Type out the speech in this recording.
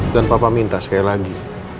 dan papa minta sekali lagi